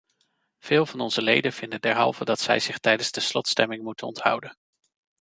Veel van onze leden vinden derhalve dat zij zich tijdens de slotstemming moeten onthouden.